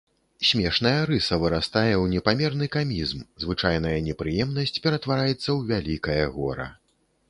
Смешная рыса вырастае ў непамерны камізм, звычайная непрыемнасць ператвараецца ў вялікае гора.